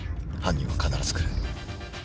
犯人は必ず来る。